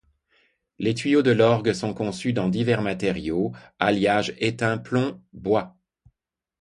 Les tuyaux de l'orgue sont conçus dans divers matériaux : alliage étain-plomb, bois.